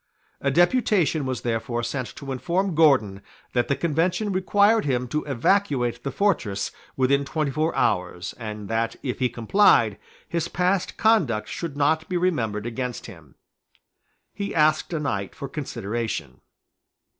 A deputation was therefore sent to inform Gordon that the Convention required him to evacuate the fortress within twenty four hours, and that, if he complied, his past conduct should not be remembered against him. He asked a night for consideration.